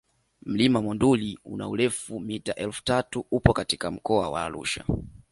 Mlima Monduli una mita elfu tatu upo katika mkoa wa Arusha